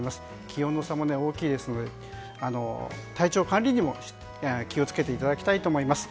気温の差も大きいですので体調管理にも気を付けていただきたいと思います。